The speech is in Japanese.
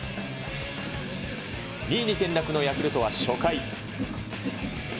２位に転落のヤクルトは初回。